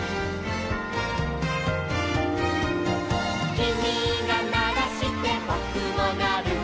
「きみがならしてぼくもなる」